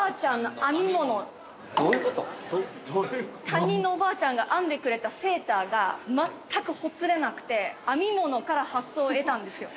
◆他人のおばあちゃんが編んでくれたセーターが全くほつれなくて編み物から発想を得たんですよ。